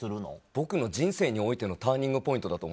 僕の人生においてのターニングポイントだと思ってます。